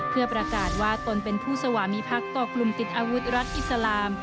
เพื่อประกาศว่าตนเป็นผู้สวามีพักต่อกลุ่มติดอาวุธรัฐอิสลาม